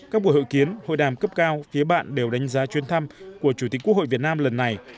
các buổi hội kiến hội đàm cấp cao phía bạn đều đánh giá chuyên thăm của chủ tịch quốc hội việt nam lần này